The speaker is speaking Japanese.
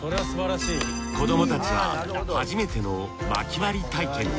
子どもたちは初めての薪割り体験。